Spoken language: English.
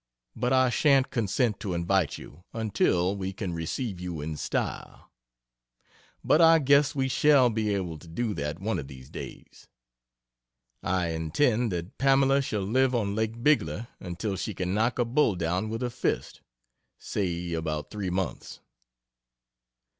But I shan't consent to invite you, until we can receive you in style. But I guess we shall be able to do that, one of these days. I intend that Pamela shall live on Lake Bigler until she can knock a bull down with her fist say, about three months.